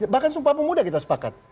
bahkan sumpah pemuda kita sepakat